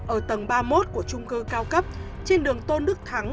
ở tầng ba mươi một của trung cư cao cấp trên đường tôn đức thắng